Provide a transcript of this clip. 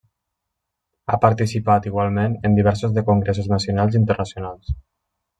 Ha participat igualment en diversos de congressos nacionals i internacionals.